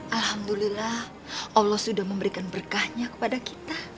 alhamdulillah allah sudah memberikan berkahnya kepada kita